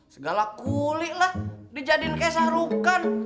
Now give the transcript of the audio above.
segala kuliklah dijadiin kayak sarukan